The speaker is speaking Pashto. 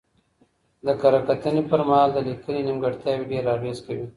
د کره کتنې پر مهال د لیکنې نیمګړتیاوې ډېر اغېز کوي.